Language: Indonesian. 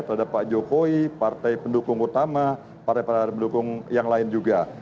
terhadap pak jokowi partai pendukung utama partai partai pendukung yang lain juga